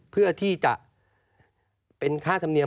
เพื่อที่จะเป็นค่าธรรมเนียม